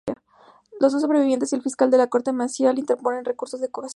Los dos sobrevivientes y el fiscal de la Corte Marcial interponen recurso de casación.